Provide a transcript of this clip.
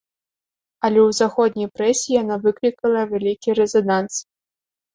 Але ў заходняй прэсе яна выклікала вялікі рэзананс.